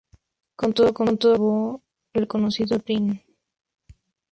Con todo conservó el conocido; "Rin".